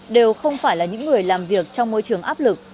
đều không phải là những người làm việc trong môi trường áp lực